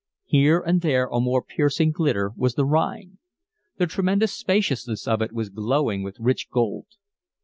Here and there a more piercing glitter was the Rhine. The tremendous spaciousness of it was glowing with rich gold.